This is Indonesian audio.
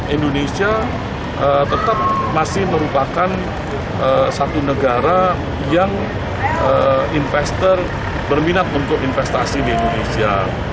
indonesia tetap masih merupakan satu negara yang investor berminat untuk investasi di indonesia